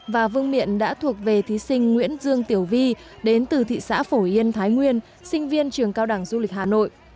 và vương miện đã thuộc về thí sinh nguyễn dương tiểu vi đến từ thị xã phổ yên thái nguyên sinh viên trường cao đẳng du lịch hà nội